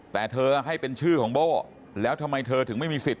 แต่เธอให้เป็นชื่อของโบ้แล้วทำไมเธอถึงไม่มีสิทธิ